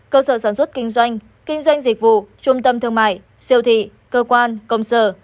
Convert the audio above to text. cơ sở sản xuất kinh doanh kinh doanh dịch vụ trung tâm thương mại siêu thị cơ quan công sở